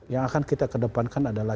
yang akan kita kedepankan adalah